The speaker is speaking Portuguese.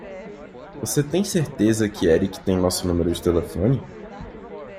Você tem certeza que Erik tem nosso número de telefone?